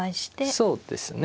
そうですね。